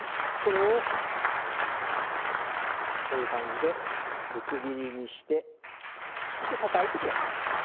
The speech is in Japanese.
これをこういう感じでぶつ切りにしてそして叩いてください。